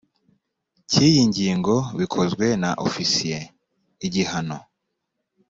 cy iyi ngingo bikozwe na ofisiye igihano